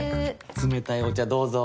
冷たいお茶どうぞ。